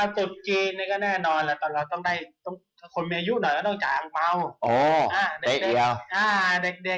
ตุ๊ดจีนก็แน่นอนคนมีอายุหน่อยต้องจ่างเมาเด็กก็ได้แต๊ะเอีย